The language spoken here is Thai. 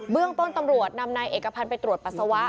เรื่องต้นตำรวจนำนายเอกพันธ์ไปตรวจปัสสาวะ